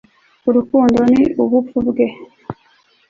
urukundo ni ubupfu hamwe